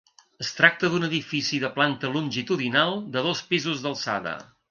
Es tracta d'un edifici de planta longitudinal de dos pisos d'alçada.